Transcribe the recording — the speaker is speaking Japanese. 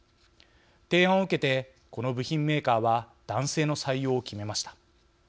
提案を受けてこの部品メーカーは男性の採用を決めました。